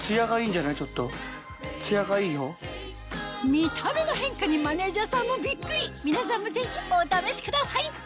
見た目の変化にマネージャーさんもビックリ皆さんもぜひお試しください